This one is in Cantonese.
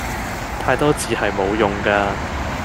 太多字係無用架